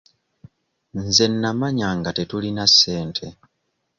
Nze nnamanya nga tetulina ssente.